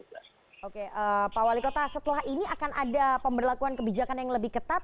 pak wali kota setelah ini akan ada pemberlakuan kebijakan yang lebih ketat